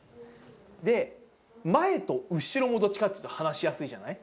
で、前と後ろも、どっちかっていうと話しやすいじゃない。